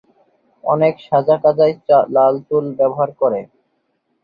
অনেকে সাজাকাজায় লাল চুল ব্যবহার করে।